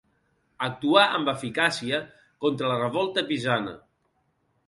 Actuà amb eficàcia contra la revolta pisana.